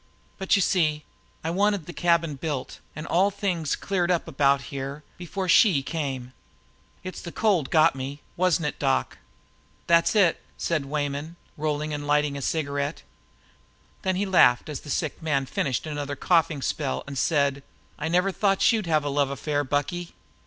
But, you see, I wanted to get the cabin built, an' things all cleared up about here, before SHE came. It's the cold that got me, wasn't it, doc?" "That's it," said Weyman, rolling and lighting a cigarette. Then he laughed, as the sick man finished another coughing spell, and said: "I never thought you'd have a love affair, Bucky!"